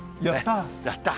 やったー。